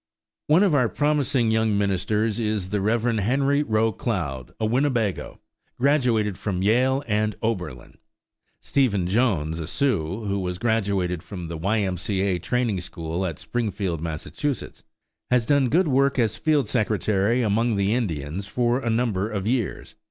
One of our promising young ministers is the Rev. Henry Roe Cloud, a Winnebago, graduated from Yale and Oberlin. Stephen Jones, a Sioux, who was graduated from the Y. M. C. A. training school at Springfield, Mass., has done good work as field secretary among the Indians for a number of years.